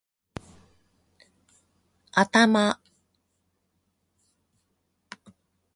頭